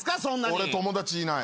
俺友達いない。